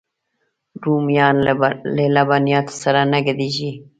رومیان له لبنیاتو سره نه ګډېږي